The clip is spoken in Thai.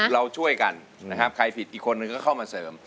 เราช่วยกันนะครับใครผิดอีกคนนึงก็เข้ามาเสริม